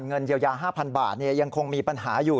เงินเยียวยา๕๐๐บาทยังคงมีปัญหาอยู่